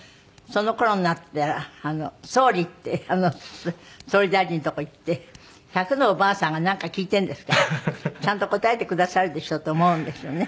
その頃になったら総理って総理大臣のところに行って１００のおばあさんがなんか聞いているんですからちゃんと答えてくださるでしょうと思うんですよね。